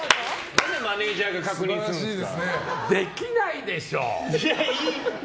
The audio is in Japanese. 何でマネジャーが確認するんですか。